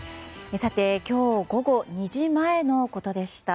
今日午後２時前のことでした。